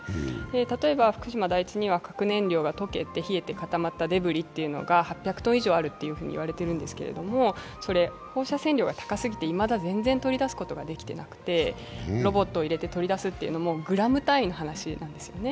例えば、福島第一には核燃料が溶けて冷えて固まったデブリとが８００ｔ以上あると言われてるんですけど放射線量が高すぎていまだに全然取り出すこともできていなくて、ロボットを入れて取り出すっていうのも、グラム単位の話なんですよね。